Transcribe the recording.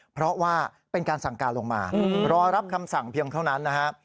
เพราะว่าเป็นการสั่งการลงมารอรับคำสั่งเพียงเท่านั้นนะครับ